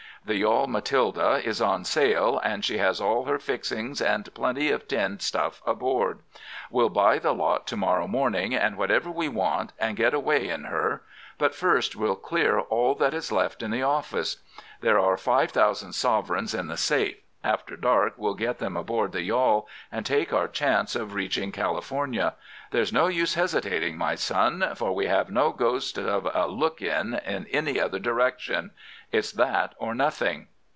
The yawl Matilda is on sale, and she has all her fixings and plenty of tinned stuff aboard. We'll buy the lot to morrow morning, and whatever we want, and get away in her. But, first, we'll clear all that is left in the office. There are 5,000 sovereigns in the safe. After dark we'll get them aboard the yawl, and take our chance of reaching California. There's no use hesitating, my son, for we have no ghost of a look in in any other direction. It's that or nothing.